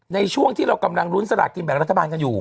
ในช่วงที่เรากำลังลุ้นสลากกินแบ่งรัฐบาลกันอยู่